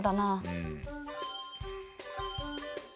うん。